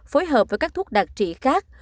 phối hợp với các thuốc đặc trị khác